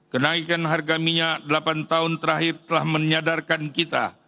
kenaikan harga minyak delapan tahun terakhir telah menyadarkan kita